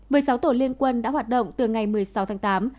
với sáu tổ liên quân đã hoạt động từ ngày một mươi sáu tháng tám